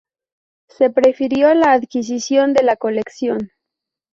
Se prefirió la adquisición de la colección.